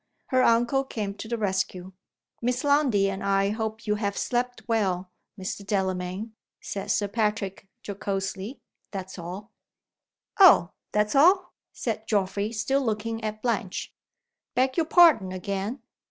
Her uncle came to the rescue. "Miss Lundie and I hope you have slept well Mr. Delamayn," said Sir Patrick, jocosely. "That's all." "Oh? That's all?" said Geoffrey still looking at Blanche. "Beg your pardon again.